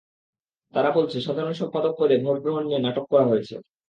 তারা বলছে, সাধারণ সম্পাদক পদে ভোট গ্রহণ নিয়ে নাটক করা হয়েছে।